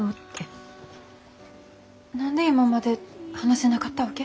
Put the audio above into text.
何で今まで話せなかったわけ？